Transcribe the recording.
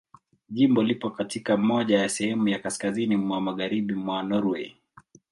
Jimbo lipo katika moja ya sehemu za kaskazini mwa Magharibi mwa Norwei.